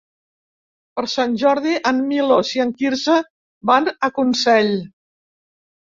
Per Sant Jordi en Milos i en Quirze van a Consell.